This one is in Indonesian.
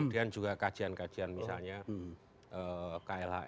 dan juga kajian kajian misalnya